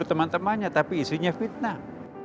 teman temannya tapi isinya fitnah